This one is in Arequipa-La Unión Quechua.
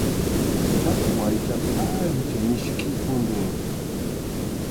Challwa aychaqa ancha miskʼipunim.